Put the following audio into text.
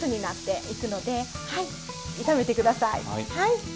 はい。